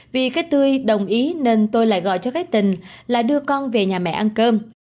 vì cái tươi đồng ý nên tôi lại gọi cho cái tình là đưa con về nhà mẹ ăn cơm